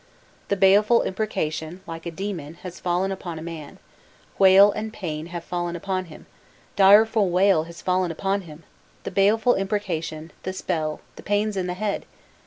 "The baleful imprecation like a demon has fallen upon a man; wail and pain have fallen upon him, direful wail has fallen upon him, the baleful imprecation, the spell, the pains in the head!